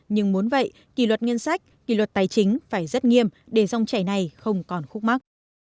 nhưng muốn vậy kỷ luật ngân sách kỳ luật tài chính phải rất nghiêm để dòng chảy này không còn khúc mắc